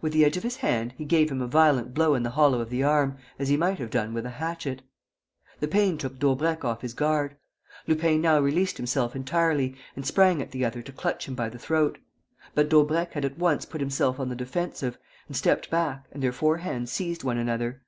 With the edge of his hand, he gave him a violent blow in the hollow of the arm, as he might have done with a hatchet. The pain took Daubrecq off his guard. Lupin now released himself entirely and sprang at the other to clutch him by the throat. But Daubrecq had at once put himself on the defensive and stepped back and their four hands seized one another.